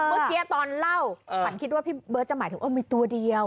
เมื่อกี้ตอนเล่าขวัญคิดว่าพี่เบิร์ตจะหมายถึงว่ามีตัวเดียว